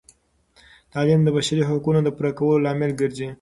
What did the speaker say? تعلیم د بشري حقونو د پوره کولو لامل ګرځي.